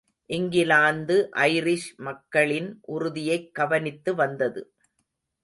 England Irish மக்களின் உறுதியைக் கவனித்து வந்தது.